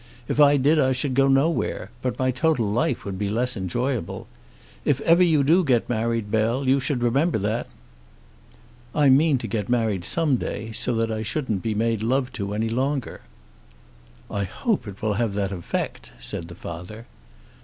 If I did I should go nowhere; but my total life would be less enjoyable. If ever you do get married, Bell, you should remember that." "I mean to get married some day, so that I shouldn't be made love to any longer." "I hope it will have that effect," said the father.